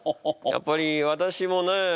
やっぱり私もねえ